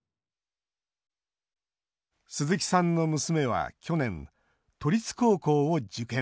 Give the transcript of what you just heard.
鈴木さんの娘は去年都立高校を受験。